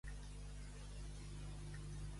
Honra Déu i el pròxim.